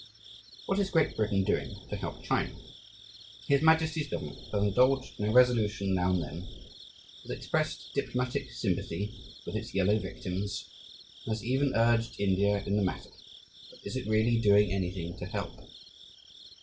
What is Great Britain doing to help China? His Majesty's government has indulged in a resolution now and then, has expressed diplomatic "sympathy" with its yellow victims, and has even "urged" India in the matter, but is it really doing anything to help?